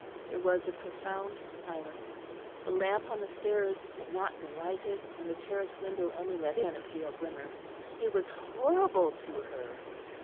There was a profound silence; the lamp on the stairs had not been lighted, and the terrace window only let in a pale glimmer. It was horrible to her!